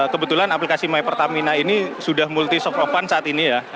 kebetulan aplikasi my pertamina ini sudah multi soft open saat ini ya